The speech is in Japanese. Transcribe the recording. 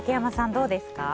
どうですか？